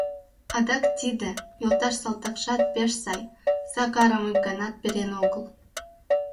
Адак тиде, йолташ салтакшат пеш сай, Сакарым ик ганат перен огыл.